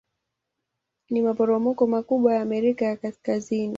Ni maporomoko makubwa ya Amerika ya Kaskazini.